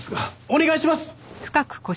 お願いします！